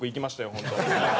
本当。